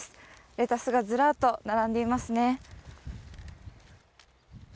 レタスがずらっと並んでいますね。